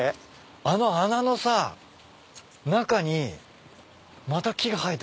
あの穴のさ中にまた木が生えてんの。